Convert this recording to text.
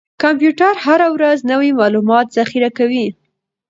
کمپیوټر هره ورځ نوي معلومات ذخیره کوي.